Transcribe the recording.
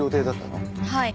はい。